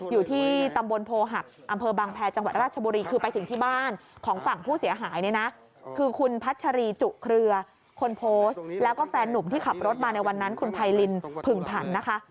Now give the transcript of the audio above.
อยู่ที่ตำบลโพหักอำเภอบางแพรจังหวัดราชบุรีคือไปถึงที่บ้านของฝั่งผู้เสียหายเนี่ยนะคือคุณพัชรีจุเครือคนโพสต์แล้วก็แฟนนุ่มที่ขับรถมาในวันนั้นคุณไพรินผึ่งผันนะคะ